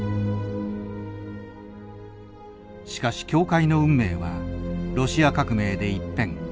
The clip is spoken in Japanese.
しかし教会の運命はロシア革命で一変。